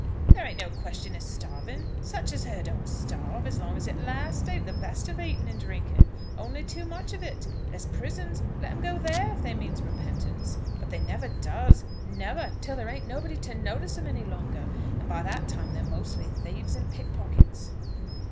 "There ain't no question of starving. Such as her don't starve. As long as it lasts, they've the best of eating and drinking, only too much of it. There's prisons; let 'em go there if they means repentance. But they never does, never, till there ain't nobody to notice 'em any longer; and by that time they're mostly thieves and pickpockets."